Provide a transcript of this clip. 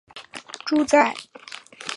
住在稀树草原。